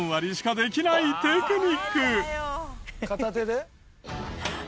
片手で？